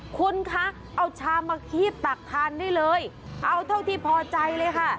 คุณคะเอาชามมาคีบตักทานได้เลยเอาเท่าที่พอใจเลยค่ะ